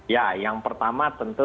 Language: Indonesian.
ya yang pertama tentu